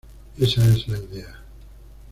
Ésa es la idea.